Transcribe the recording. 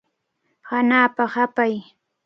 Hanapa hapay.